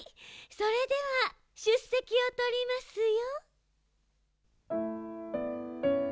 それではしゅっせきをとりますよ。